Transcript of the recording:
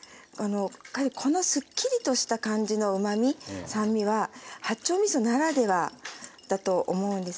このすっきりとした感じのうまみ酸味は八丁みそならではだと思うんですね。